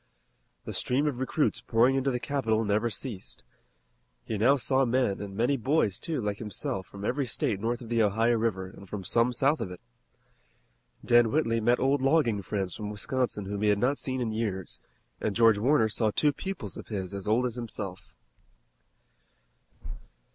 The stream of recruits pouring into the capital never ceased. He now saw men, and many boys, too, like himself, from every state north of the Ohio River and from some south of it. Dan Whitley met old logging friends from Wisconsin whom he had not seen in years, and George Warner saw two pupils of his as old as himself.